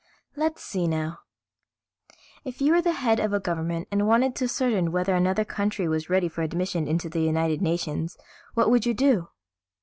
"Let's see now. If you were the head of a government and wanted to ascertain whether another country was ready for admission into the United Nations, what would you do?"